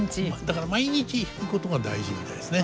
だから毎日弾くことが大事みたいですね。